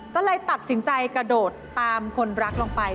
ก็เลยตัดสินใจกระโดดตามคนรักลงไป